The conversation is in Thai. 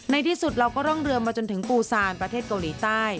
ในที่สุดเราก็ร่องเรือมาจนถึงปูซานประเทศเกาหลีใต้